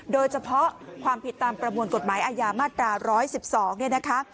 โดยเฉพาะความผิดตามประมวลกฎหมายอาญามาตรา๑๑๒เนี่ยนะคะ